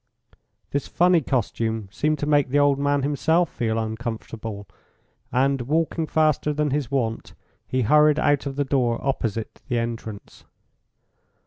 This funny costume seemed to make the old man himself feel uncomfortable, and, walking faster than his wont, he hurried out of the door opposite the entrance.